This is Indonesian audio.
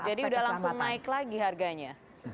jadi sudah langsung naik lagi harganya